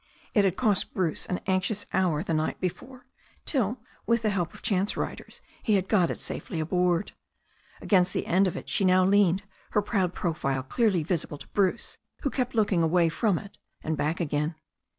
It had cost Bruce an anxious hour the night before, till with the help of chance riders he had got it safely aboard. Against the end of it she now leaned^ 14 THE STORY OF A NEW ZEALAND RIVER her proud profile clearly visible to Bruce, who kept looking away from it and back again.